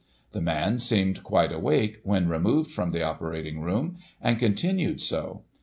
The man seemed quite awake when removed from the operating room, and continued so.